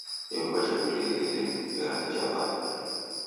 Iru'wa jabirieghe linu, ngera ni ja w'ada.